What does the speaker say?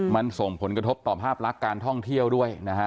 มันส่งผลกระทบต่อภาพลักษณ์การท่องเที่ยวด้วยนะฮะ